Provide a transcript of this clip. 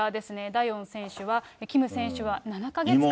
ダヨン選手は、キム選手は７か月間。